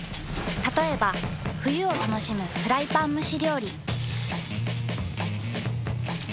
たとえば冬を楽しむフライパン蒸し料理。